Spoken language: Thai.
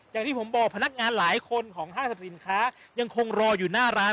อย่างที่ผมบอกพนักงานหลายคนของห้างสรรพสินค้ายังคงรออยู่หน้าร้าน